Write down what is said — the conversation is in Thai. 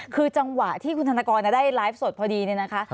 คือจังหวะที่คุณธนกรได้ไลฟ์สดพอดีเนี่ยนะคะ